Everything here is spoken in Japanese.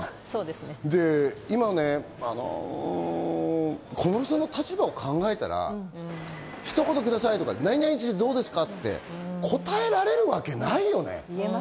今、小室さんの立場を考えたら一言くださいとか何々についてどうですか？って答えられるわけないよね。